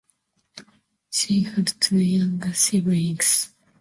She had two younger siblings.